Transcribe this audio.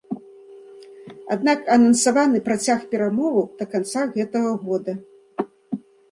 Аднак анансаваны працяг перамоваў да канца гэтага года.